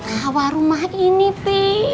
hawa rumah ini pi